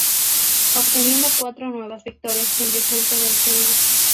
Obteniendo cuatro nuevas victorias en Descenso del Sella.